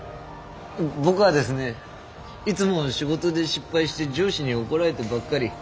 僕はですねいつも仕事で失敗して上司に怒られてばっかり。